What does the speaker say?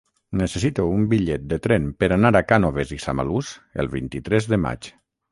Necessito un bitllet de tren per anar a Cànoves i Samalús el vint-i-tres de maig.